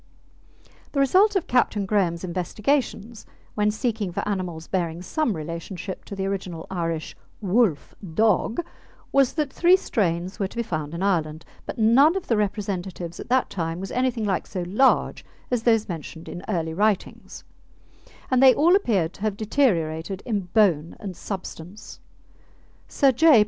The result of Captain Graham's investigations when seeking for animals bearing some relationship to the original Irish "Wolfe Dogge" was that three strains were to be found in Ireland, but none of the representatives at that time was anything like so large as those mentioned in early writings, and they all appeared to have deteriorated in bone and substance. Sir J.